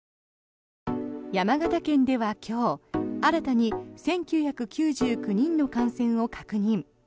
山形県では今日、新たに１９９９人の感染を確認。